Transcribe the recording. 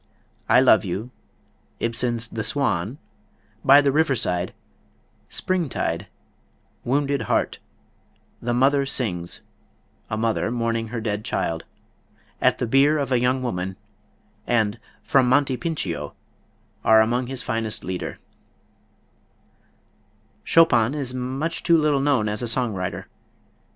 "I Love You," Ibsen's "The Swan," "By the Riverside," "Springtide," "Wounded Heart," "The Mother Sings" (a mother mourning her dead child), "At the Bier of a Young Woman," and "From Monte Pincio," are among his finest Lieder. Chopin is much too little known as a song writer.